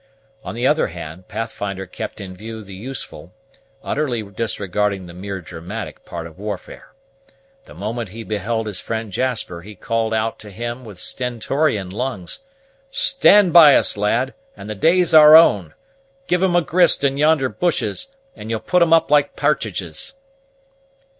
On the other hand, Pathfinder kept in view the useful, utterly disregarding the mere dramatic part of warfare. The moment he beheld his friend Jasper, he called out to him with stentorian lungs, "Stand by us, lad, and the day's our own! Give 'em a grist in yonder bushes, and you'll put 'em up like partridges."